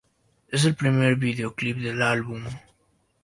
Es el primer videoclip del álbum.